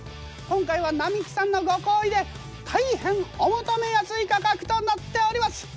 今回は並木さんのご厚意で大変お求めやすい価格となっております。